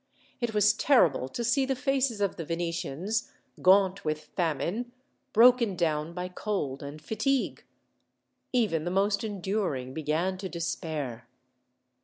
It was terrible to see the faces of the Venetians, gaunt with famine, broken down by cold and fatigue. Even the most enduring began to despair.